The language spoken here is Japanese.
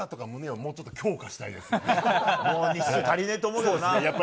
もう日数、足りないと思うけやっぱり。